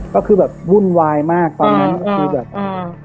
ก็คือแบบวุ่นวายมากตอนนั้นก็คือแบบอ่า